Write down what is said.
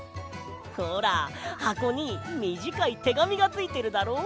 ほらはこにみじかいてがみがついてるだろ？